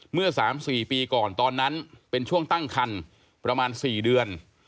เมื่อ๓๔ปีก่อนตอนนั้นเป็นช่วงตั้งคันประมาณ๔เดือน